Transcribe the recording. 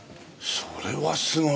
それはすごい！